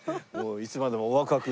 いつまでもお若く。